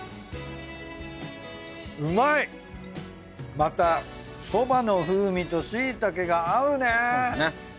またそばの風味としいたけが合うね！